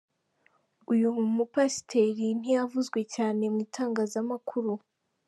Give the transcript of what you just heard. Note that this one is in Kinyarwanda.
Uyu mupasiteri ntiyavuzwe cyane mu itangazamakuru.